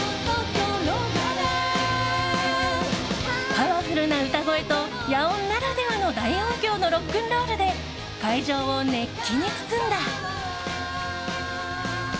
パワフルな歌声と野音ならではの大音響のロックンロールで会場を熱気に包んだ。